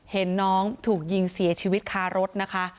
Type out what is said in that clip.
เห็นน้องถูกยิงเสียชีวิตคารถนะคะ